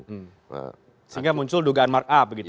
sehingga muncul dugaan mark up gitu